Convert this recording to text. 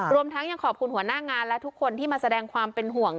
รวมทั้งยังขอบคุณหัวหน้างานและทุกคนที่มาแสดงความเป็นห่วง